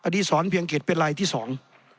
อดีตสอนเพียงเกร็ดเป็นไรที่สอง